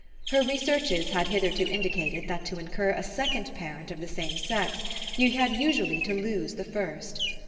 Her researches had hitherto indicated that to incur a second parent of the same sex you had usually to lose the first.